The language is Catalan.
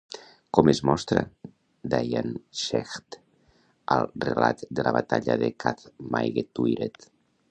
Com es mostra Dian Cecht al relat de la Batalla de Cath Maige Tuired?